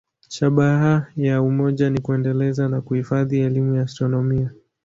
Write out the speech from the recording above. Shabaha ya umoja ni kuendeleza na kuhifadhi elimu ya astronomia.